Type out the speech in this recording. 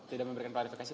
tidak memberikan klarifikasi